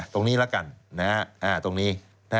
ตรงนี้ละกันตรงนี้